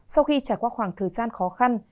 sau khi trải qua khoảng thời gian khó khăn